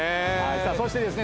さあそしてですね